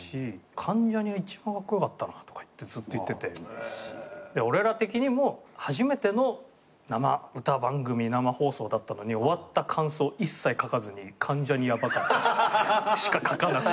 「関ジャニが一番カッコ良かったな」とかずっと言ってて俺ら的にも初めての生歌番組生放送だったのに終わった感想一切書かずに「関ジャニヤバかった」しか書かなくて。